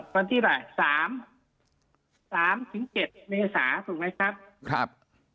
วันที่ไหน๓๗เมษาถูกไหมครับ